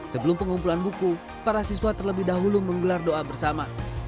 sebelum pengumpulan buku para siswa terlebih dahulu menggelar doa bersama